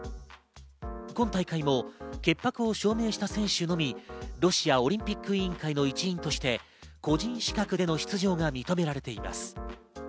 今大会も潔白を証明した選手のみロシアオリンピック委員会の一員として個人資格での出場が認められています。